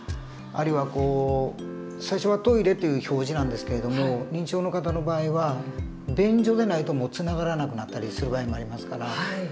あるいは最初は「トイレ」という表示なんですけれども認知症の方の場合は「便所」でないともうつながらなくなったりする場合もありますから。